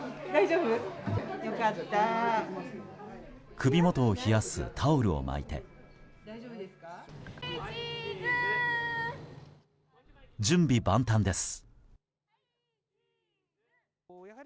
首元を冷やすタオルを巻いて準備万端です。